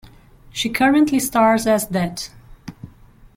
She currently stars as Det.